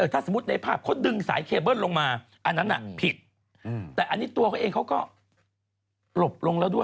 ถ้าสมมุติในภาพเขาดึงสายเคเบิ้ลลงมาอันนั้นน่ะผิดแต่อันนี้ตัวเขาเองเขาก็หลบลงแล้วด้วย